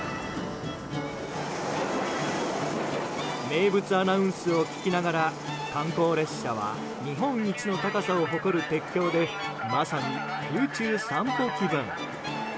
名物アナウンスを聞きながら観光列車は日本一の高さを誇る鉄橋でまさに空中散歩気分。